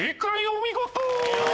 お見事！